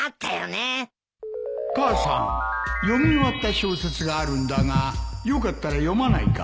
母さん読み終わった小説があるんだがよかったら読まないか？